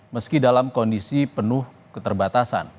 meski dalam kondisi penuh keterbatasan